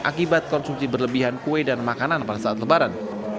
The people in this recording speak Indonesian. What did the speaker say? akibat konsumsi berlebihan kue dan makanan pada saat lebaran